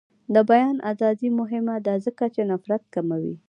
د بیان ازادي مهمه ده ځکه چې نفرت کموي.